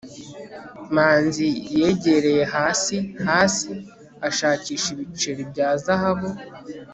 manzi yegereye hasi hasi, ashakisha ibiceri bya zahabu